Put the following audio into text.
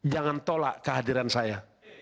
jangan tolak kehadiran saya